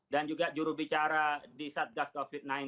dan juga jurubicara di satgas covid sembilan belas